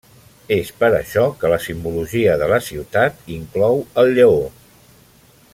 És per això que la simbologia de la ciutat inclou el lleó.